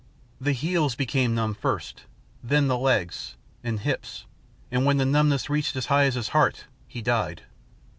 The heels became numb first, then the legs, and hips, and when the numbness reached as high as his heart he died.